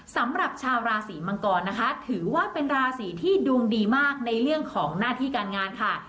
สำหรับชาวราศีมังกรนะคะถือว่าเป็นราศีที่ดวงดีมากในเรื่องของหน้าที่การงานค่ะ